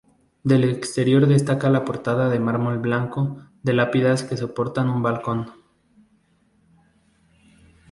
Del exterior destaca la portada de mármol blanco de pilastras que soportan un balcón.